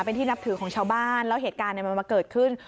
เป็นที่นับถือของชาวบ้านแล้วเหตุการณ์มันมาเกิดขึ้น